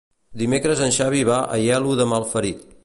Dimecres en Xavi va a Aielo de Malferit.